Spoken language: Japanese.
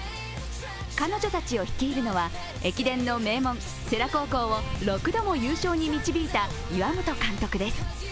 彼女たちを率いるのは駅伝の名門世羅高校を６度も優勝に導いた岩本監督です。